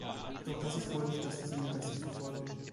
Doch das ist wohl nicht das Ziel, das Sie verfolgen.